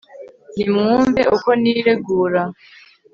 nimwumve uko niregura